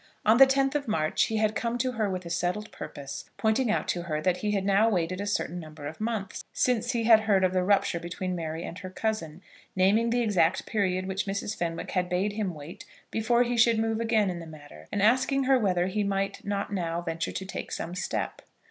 On the 10th of March he had come to her with a settled purpose, pointing out to her that he had now waited a certain number of months since he had heard of the rupture between Mary and her cousin, naming the exact period which Mrs. Fenwick had bade him wait before he should move again in the matter, and asking her whether he might not now venture to take some step.